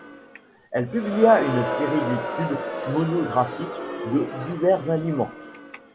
Il publia une série d'études monographiques de divers aliments.